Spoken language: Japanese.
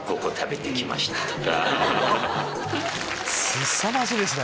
すさまじいですね